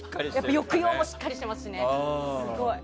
抑揚もしっかりしてますしね。